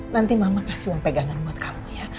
nanti mama kasih uang pegangan buat kamu ya